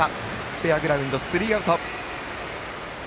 フェアグラウンド、スリーアウト。